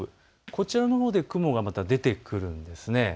こちらのほうでまた雲が出てくるんです。